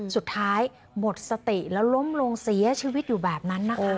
สุดท้ายหมดสติแล้วล้มลงเสียชีวิตอยู่แบบนั้นนะคะ